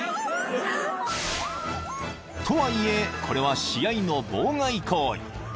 ［とはいえこれは試合の妨害行為］